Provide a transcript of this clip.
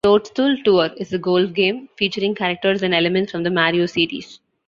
"Toadstool Tour" is a golf game featuring characters and elements from the "Mario" series.